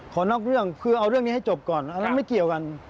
นอกเรื่องคือเอาเรื่องนี้ให้จบก่อนอันนั้นไม่เกี่ยวกัน